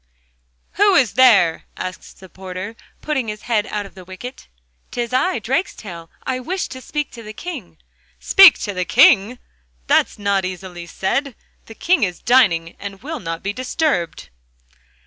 'Who is there?' asks the porter, putting his head out of the wicket. ''Tis I, Drakestail. I wish to speak to the King.' 'Speak to the King!... That's easily said. The King is dining, and will not be disturbed.